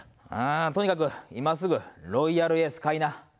とにかく今すぐロイヤルエース買いな。